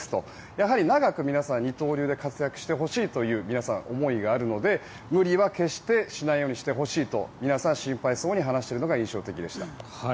やはり長く皆さん二刀流で活躍してほしいという皆さん、思いがあるので無理は決してしないでほしいと皆さん心配そうに話しているのが印象的でした。